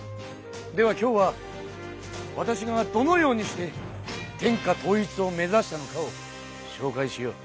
では今日はわたしがどのようにして天下統一を目指したのかをしょうかいしよう。